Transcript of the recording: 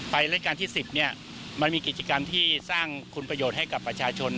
รายการที่๑๐มันมีกิจกรรมที่สร้างคุณประโยชน์ให้กับประชาชน